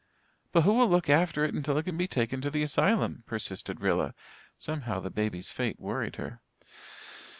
"But who will look after it until it can be taken to the asylum?" persisted Rilla. Somehow the baby's fate worried her.